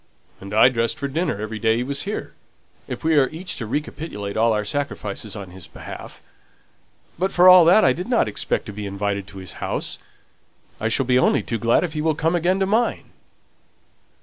"And I dressed for dinner every day he was here, if we are each to recapitulate all our sacrifices on his behalf. But, for all that, I didn't expect to be invited to his house. I shall be only too glad if he will come again to mine."